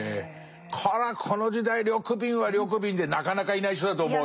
こりゃこの時代緑敏は緑敏でなかなかいない人だと思うよ。